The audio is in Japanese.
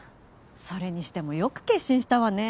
それにしてもよく決心したわね